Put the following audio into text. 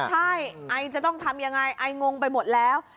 ใช่ไอจะต้องทำยังไงไองงไปหมดแล้ว